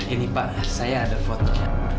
ini pak saya ada foto